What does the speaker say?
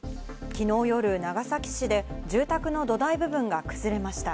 昨日夜、長崎市で住宅の土台部分が崩れました。